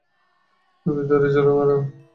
তুমি তুলে ছুঁড়ে মারো।